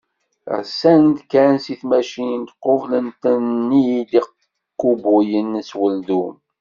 Rsen-d kan seg tmacint, qublen-ten-id ikubuyen s weldun.